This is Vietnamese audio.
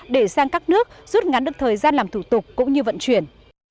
để sang các nước rút ngắn được thời gian làm thủ tục cũng như vận chuyển